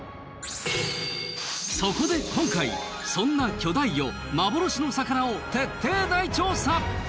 そこで今回そんな巨大魚幻の魚を徹底大調査！